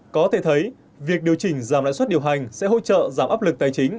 có thể thấy việc điều chỉnh giảm lãi suất điều hành sẽ hỗ trợ giảm áp lực tài chính